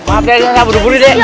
maaf ya dek saya ambur dulu dek